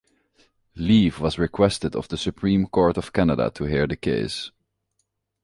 Leave was requested of the Supreme Court of Canada to hear the case.